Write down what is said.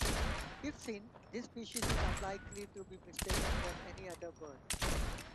If seen, this species is unlikely to be mistaken for any other bird.